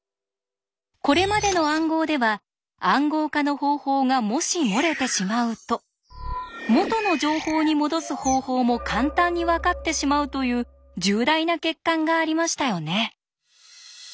これまでの暗号では「暗号化の方法」がもし漏れてしまうと「元の情報にもどす方法」も簡単にわかってしまうという重大な欠陥がありましたよね。